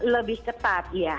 lebih ketat iya